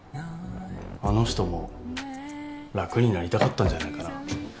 あの人も楽になりたかったんじゃないかな。